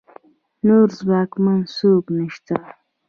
نور ځواکمن څوک نشته